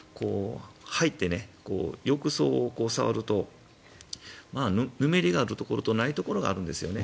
入って浴槽を触るとぬめりがあるところとないところがあるんですよね。